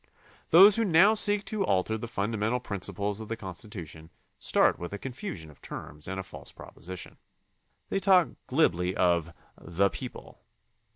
Those who now seek to alter the fundamental principles of the Constitution start with a confusion of terms and a false proposition. They talk glibly of "the people."